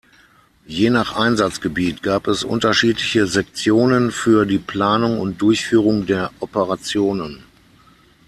Je nach Einsatzgebiet gab es unterschiedliche Sektionen für die Planung und Durchführung der Operationen.